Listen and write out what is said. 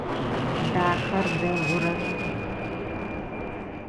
Дахэр дэгъур ары.